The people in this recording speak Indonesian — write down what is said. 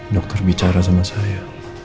dokter bicara sama saya